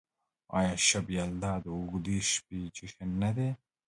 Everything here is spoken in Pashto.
آیا شب یلدا د اوږدې شپې جشن نه دی؟